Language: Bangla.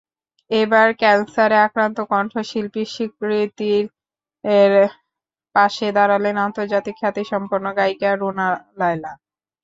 এবার ক্যানসারে আক্রান্ত কণ্ঠশিল্পী স্বীকৃতির পাশে দাঁড়ালেন আন্তর্জাতিক খ্যাতিসম্পন্ন গায়িকা রুনা লায়লা।